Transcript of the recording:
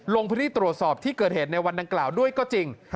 ลงพื้นที่ตรวจสอบที่เกิดเหตุในวันดังกล่าวด้วยก็จริง